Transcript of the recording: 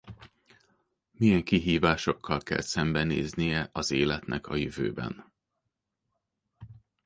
Milyen kihívásokkal kell szembenéznie az életnek a jövőben?